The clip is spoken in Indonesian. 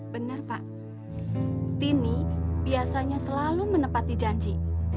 benar pak tini biasanya selalu menepati janji